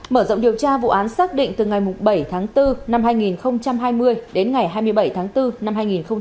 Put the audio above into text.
mở rộng điều tra vụ án xác định từ ngày bảy tháng bốn năm hai nghìn hai mươi đến ngày hai mươi bảy tháng bốn năm hai nghìn hai mươi